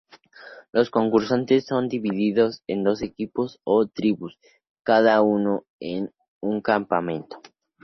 Los concursantes son divididos en dos equipos o tribus, cada uno en un campamento.